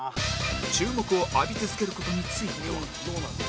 注目を浴び続ける事については